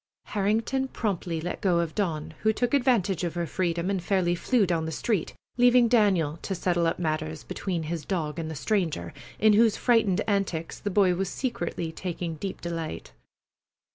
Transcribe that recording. Harrington promptly let go of Dawn, who took advantage of her freedom and fairly flew down the street, leaving Daniel to settle up matters between his dog and the stranger, in whose frightened antics the boy was secretly taking deep delight.